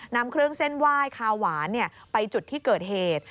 นำเครื่องเส้นไหว้คาหวานไปจุดที่เกิดเหตุ